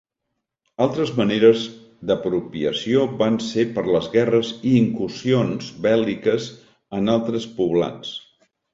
Altres maneres d'apropiació van ser per les guerres i incursions bèl·liques en altres poblats.